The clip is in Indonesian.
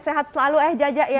sehat selalu ayah jaja ya